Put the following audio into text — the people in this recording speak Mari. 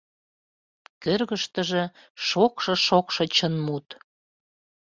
Кӧргыштыжӧ — шокшо-шокшо чын мут.